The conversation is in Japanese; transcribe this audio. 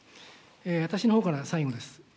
私のほうからは最後です。